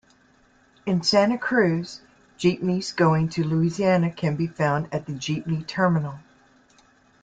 In Santa Cruz, jeepneys going to Luisiana can be found at the jeepney terminal.